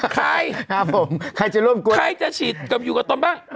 ใครใครใครจะฉีดอยู่กับตนบ้าง